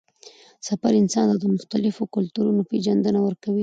سفر انسان ته د مختلفو کلتورونو پېژندنه ورکوي